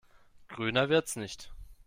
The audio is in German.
Grüner wird's nicht.